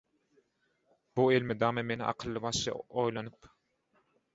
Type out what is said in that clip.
Bu elmydama meni akylly-başly oýlanyp